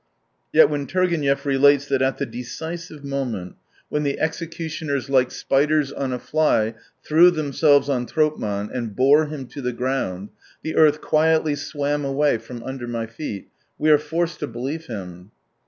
Yet when Turgenev relates that, at the decisive moment, when 30 the executioners like spiders on a fly threw themselves on Tropman and bore him to the ground —" the earth quietly swam away from under my feet "— we are forced to believe him.